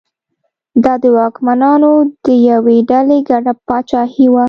دا د واکمنانو د یوې ډلې ګډه پاچاهي وه.